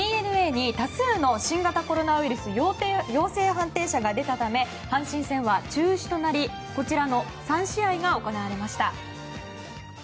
ＤｅＮＡに多数の新型コロナウイルス陽性判定者が出たため阪神戦は中止となりこちらの３試合が行われました。